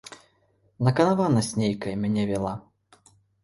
Наканаванасць нейкая мяне вяла.